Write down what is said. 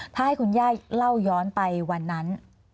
ถ้าให้คุณย่าเล่าย้อนไปวันนั้น